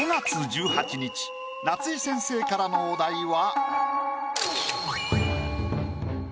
夏井先生からのお題は。